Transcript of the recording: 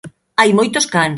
Hai moitos can.